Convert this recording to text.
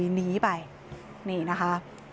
หนีไปนี่นะคะ